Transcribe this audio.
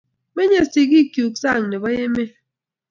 Menye sigik chuk sang nebo emet